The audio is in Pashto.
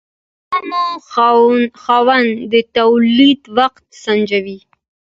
د غنمو خاوند د تولید وخت سنجوي.